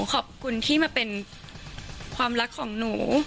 ขอบคุณที่มาเป็นความรักของหนู